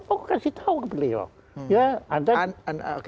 oh kasih tahu ke beliau